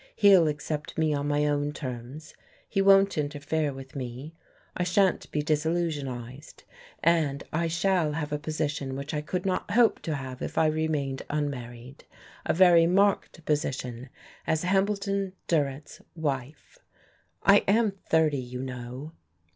He'll accept me on my own terms, he won't interfere with me, I shan't be disillusionized, and I shall have a position which I could not hope to have if I remained unmarried, a very marked position as Hambleton Durrett's wife. I am thirty, you know."